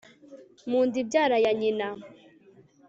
mu nda ibyara ya nyina